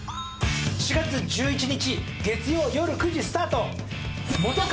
４月１１日月曜夜９時スタート。